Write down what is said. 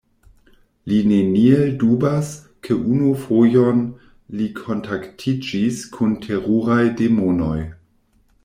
Li neniel dubas, ke unu fojon li kontaktiĝis kun teruraj demonoj.